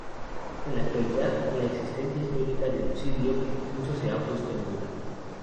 En la actualidad, la existencia histórica de Lucilio incluso se ha puesto en duda.